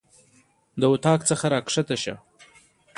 د اطاق څخه راکښته سه.